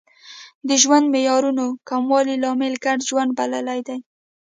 د ژوند معیارونو کموالی لامل ګډ ژوند بللی دی